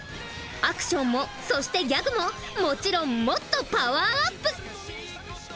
アクションもそしてギャグももちろんもっとパワーアップ！